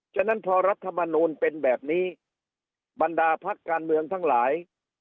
ฉะนั้นพอรัฐมนูลเป็นแบบนี้บรรดาพักการเมืองทั้งหลาย